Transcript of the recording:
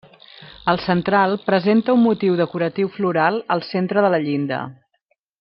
El central presenta un motiu decoratiu floral al centre de la llinda.